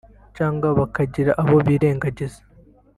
cyangwa bakagira abo birengagiza